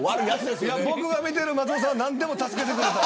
僕が見てる松本さんは何でも助けてくれた。